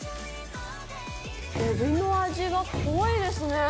えびの味が濃いですね。